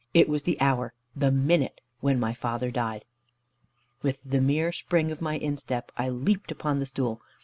It was the hour, the minute, when my father died. With the mere spring of my instep I leaped upon the stool.